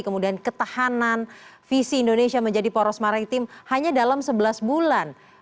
kemudian ketahanan visi indonesia menjadi poros maritim hanya dalam sebelas bulan